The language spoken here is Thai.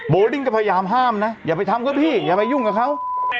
โบลิ่งก็พยายามห้ามนะอย่าไปทำก็พี่อย่าไปยุ่งกับเขา